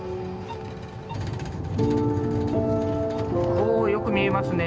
おおよく見えますね